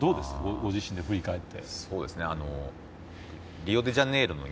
ご自身で振り返って。